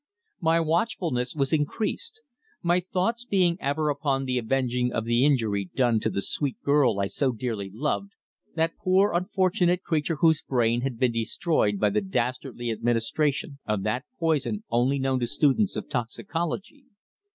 My watchfulness was increased; my thoughts being ever upon the avenging of the injury done to the sweet girl I so dearly loved that poor unfortunate creature whose brain had been destroyed by the dastardly administration of that poison only known to students of toxicology.